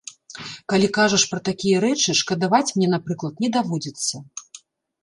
Калі кажаш пра такія рэчы, шкадаваць мне, напрыклад, не даводзіцца.